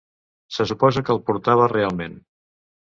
Se suposa que el portava realment.